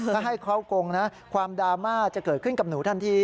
ถ้าให้เขาโกงนะความดราม่าจะเกิดขึ้นกับหนูทันที